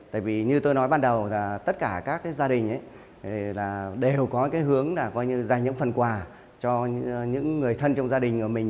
tại vì như tôi nói ban đầu là tất cả các gia đình đều có cái hướng là coi như dành những phần quà cho những người thân trong gia đình của mình